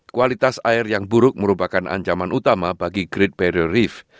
kualitas air yang buruk merupakan ancaman utama bagi great barry rief